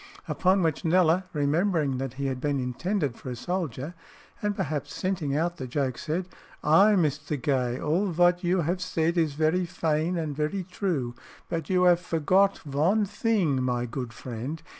Upon which Kneller, remembering that he had been intended for a soldier, and perhaps scenting out the joke, said, "Ay, Mr. Gay, all vot you 'ave said is very faine and very true, but you 'ave forgot von theeng, my good friend.